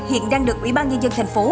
hiện đang được ủy ban nhân dân thành phố